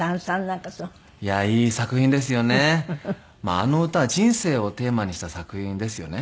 あの歌は人生をテーマにした作品ですよね。